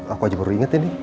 aku aja baru inget ini